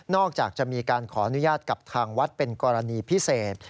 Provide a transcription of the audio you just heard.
จากจะมีการขออนุญาตกับทางวัดเป็นกรณีพิเศษ